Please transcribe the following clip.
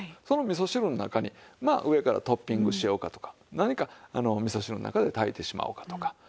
その味噌汁の中にまあ上からトッピングしようかとか何か味噌汁の中で炊いてしまおうかとか。